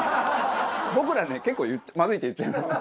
僕らね結構まずいって言っちゃいますね。